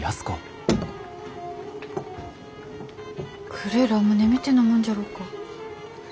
黒えラムネみてえなもんじゃろうか？